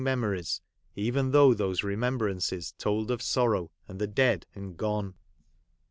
memories, even though those remembrances told of sorrow, and the dead and gone.